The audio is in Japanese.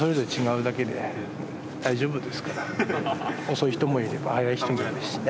遅い人もいれば早い人もいるし。